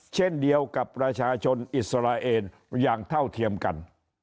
เช่นเดียวกับประชาชนอิสราเอลอย่างเท่าเทียมกัน